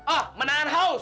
oh menahan haus